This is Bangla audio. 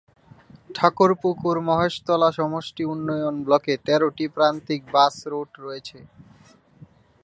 ঠাকুরপুকুর মহেশতলা সমষ্টি উন্নয়ন ব্লকে তেরোটি প্রান্তিক বাস রুট রয়েছে।